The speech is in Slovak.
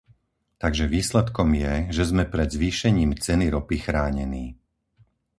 Takže výsledkom je, že sme pred zvýšením ceny ropy chránení.